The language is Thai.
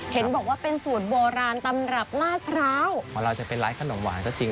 เห็นบอกว่าเป็นสูตรโบราณตำรับลาดพร้าวของเราจะเป็นร้านขนมหวานก็จริง